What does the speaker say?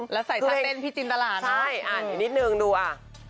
แล้วใส่ท่าเต้นพี่จินตราเนอะใช่อ่ะนิดนึงดูอ่ะ